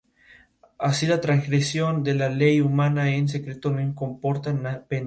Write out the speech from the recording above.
Se encuentra actualmente en exhibición en el Victoria and Albert Museum de Londres.